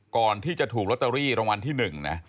ก่อนที่จะถูกลอตเตอรี่รางวัลที่๑นะ